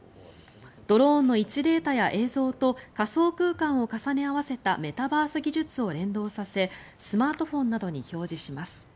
ドローンの位置データや映像と仮想空間を重ね合わせたメタバース技術を連動させスマートフォンなどに表示します。